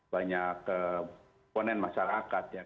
banyak ponen masyarakat ya